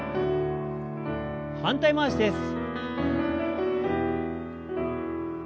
反対回しです。